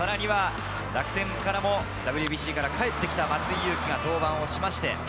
楽天からもＷＢＣから帰ってきた松井裕樹が登板しました。